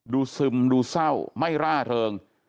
ซึมดูเศร้าไม่ร่าเริง